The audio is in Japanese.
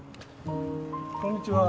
こんにちは。